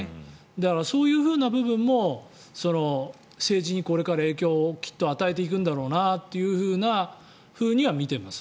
だから、そういうふうな部分も政治にこれから影響をきっと与えていくんだろうなというふうには見ています。